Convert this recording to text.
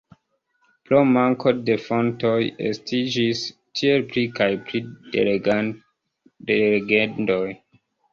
Pro manko de fontoj, estiĝis tiel pli kaj pli da legendoj.